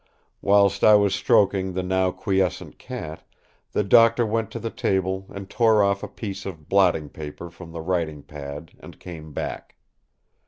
Whilst I was stroking the now quiescent cat, the Doctor went to the table and tore off a piece of blotting paper from the writing pad and came back.